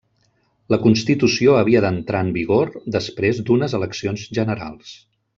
La constitució havia d'entrar en vigor després d'unes eleccions generals.